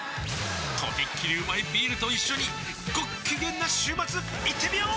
とびっきりうまいビールと一緒にごっきげんな週末いってみよー！